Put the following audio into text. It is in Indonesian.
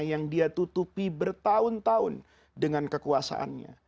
yang dia tutupi bertahun tahun dengan kekuasaannya